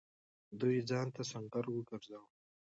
دوی ځان ته سنګر وگرځاوه.